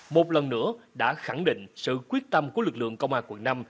một lần nữa đã khẳng định sự quyết tâm của lực lượng công an quận năm